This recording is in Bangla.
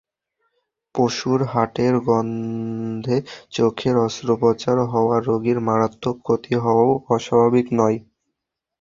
পশুর হাটের গন্ধে চোখের অস্ত্রোপচার হওয়া রোগীর মারাত্মক ক্ষতি হওয়াও অস্বাভাবিক নয়।